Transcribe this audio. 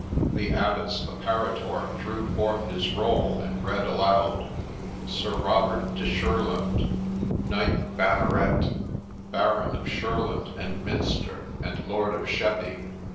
' The Abbot's Apparitor drew forth his roll and read aloud :—' Sir Robert de Shurland, Knight banneret, Baron of Shurland and Minster, and Lord of Sheppey.'